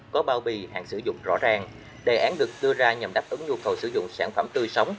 có bao bì hàng sử dụng rõ ràng đề án được đưa ra nhằm đáp ứng nhu cầu sử dụng sản phẩm tươi sống